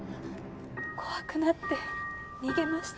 怖くなって逃げました。